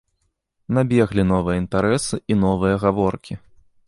Набеглі новыя інтарэсы і новыя гаворкі.